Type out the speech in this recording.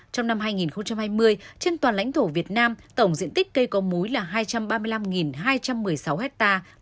trong năm hai nghìn hai mươi trên toàn lãnh thổ việt nam tổng diện tích cây có múi là hai trăm ba mươi năm hai trăm một mươi sáu hectare